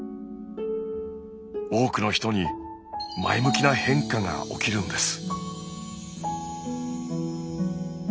多くの人に前向きな変化が起きるんです。